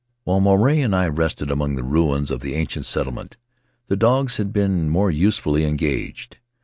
While Maruae and I rested among the ruins of the ancient settlement the dogs had been more usefully engaged.